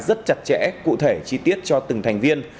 rất chặt chẽ cụ thể chi tiết cho từng thành viên